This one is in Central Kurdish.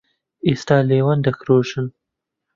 ئێستا لێوان دەکرۆژن